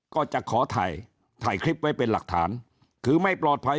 ก็จะขอถ่ายถ่ายคลิปไว้เป็นหลักฐานคือไม่ปลอดภัย